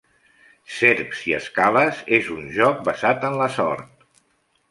"Serps i escales" és un joc basat en la sort.